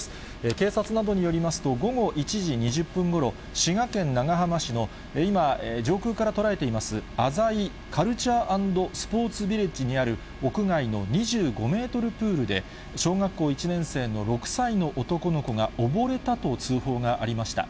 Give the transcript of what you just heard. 警察などによりますと、午後１時２０分ごろ、滋賀県長浜市の今、上空から捉えていますあざいカルチャー＆スポーツビレッジにある屋外の２５メートルプールで小学校１年生の６歳の男の子が溺れたと通報がありました。